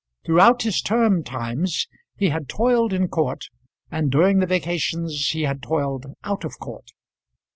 Throughout his term times he had toiled in court, and during the vacations he had toiled out of court.